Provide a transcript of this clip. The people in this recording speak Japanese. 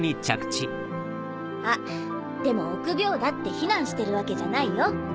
あっでも臆病だって非難してるわけじゃないよ。